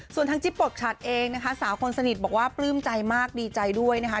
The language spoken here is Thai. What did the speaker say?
ส่วนทางจิ๊บปกฉัดเองนะคะสาวคนสนิทบอกว่าปลื้มใจมากดีใจด้วยนะคะ